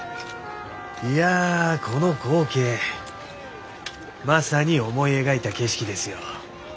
いやこの光景まさに思い描いた景色ですよ。